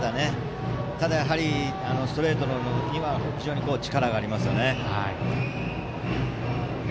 ただ、ストレートには非常に力があります。